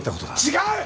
違う！